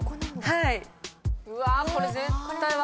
［はい］